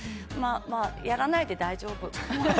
まあ、やらないで大丈夫。